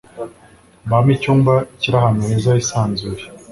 bampe icyumba kiri ahantu heza hisanzuye